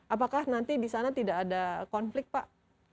apakah nanti di sana tidak ada konflik pak